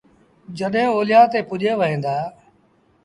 جڏهيݩ اوليآ تي پُڄيٚن وهيݩ دآ